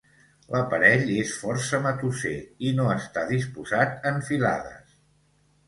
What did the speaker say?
L'aparell és força matusser i no està disposat en filades.